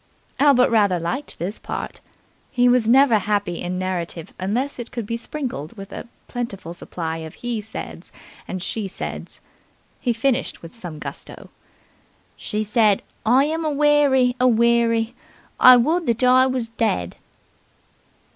Albert rather liked this part. He was never happy in narrative unless it could be sprinkled with a plentiful supply of "he said's" and "she said's." He finished with some gusto. "She said I am aweary, aweary, I would that I was dead."